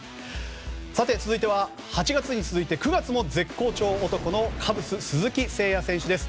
さて続いては８月に続いて９月も絶好調男のカブス、鈴木誠也選手です。